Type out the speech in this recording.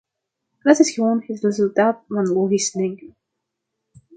Dat is gewoon het resultaat van logisch denken.